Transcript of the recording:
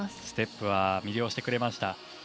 ステップは魅了してくれました